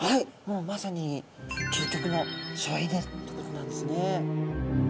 もうまさに究極の省エネってことなんですね。